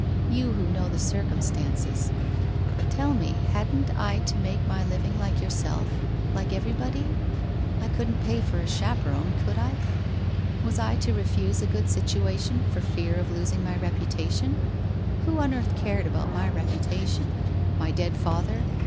You who know the circumstances ! Tell me, hadn't I to make my living like yourself, like everybody? I couldn't pay for a chaperon, could I? Was I to refuse a good situation, for fear of losing my reputation? Who on earth cared about my reputation? My dead father?